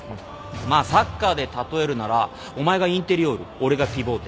まあサッカーで例えるならお前がインテリオール俺がピボーテ。